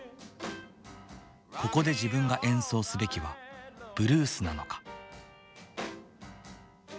ここで自分が演奏すべきはブルースなのか。